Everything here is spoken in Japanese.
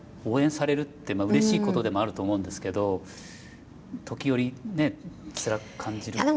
応援されるってうれしいことでもあると思うんですけど時折ねつらく感じる。